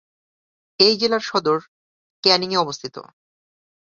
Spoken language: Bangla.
এই জেলার সদর ক্যানিং-এ অবস্থিত।